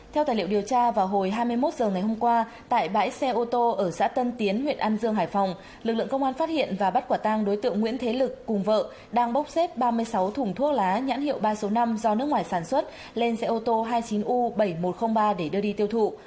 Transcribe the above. theo tài liệu điều tra vào hồi hai mươi một h ngày hôm qua tại bãi xe ô tô ở xã tân tiến huyện an dương hải phòng lực lượng công an phát hiện và bắt quả tang đối tượng nguyễn thế lực cùng vợ đang bốc xếp ba mươi sáu thùng thuốc lá nhãn hiệu ba trăm sáu mươi năm do nước ngoài sản xuất lên xe ô tô hai mươi chín u bảy nghìn một trăm linh ba để đưa đi tiêu thụ